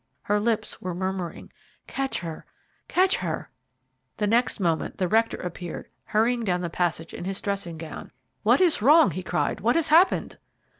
Her lips were murmuring, "Catch her! catch her!" The next moment the rector appeared hurrying down the passage in his dressing gown. "What is wrong?" he cried; "what has happened?"